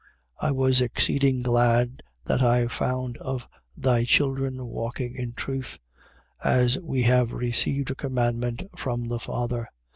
1:4. I was exceeding glad that I found of thy children walking in truth, as we have received a commandment from the Father.